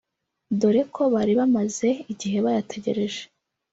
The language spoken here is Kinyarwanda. dore ko bari bamaze igihe bayategereje